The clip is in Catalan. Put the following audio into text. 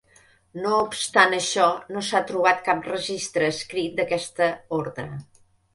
No obstant això, no s'ha trobat cap registre escrit d'aquesta ordre.